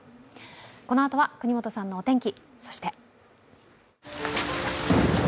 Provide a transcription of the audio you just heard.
このあとは國本さんのお天気。